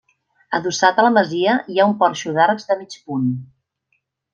Adossat a la masia hi ha un porxo d'arcs de mig punt.